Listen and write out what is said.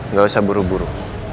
gak usah buru buru